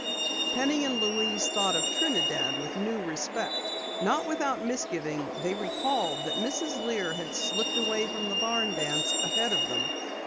Penny and Louise thought of Trinidad with new respect. Not without misgiving they recalled that Mrs. Lear had slipped away from the barn dance ahead of them.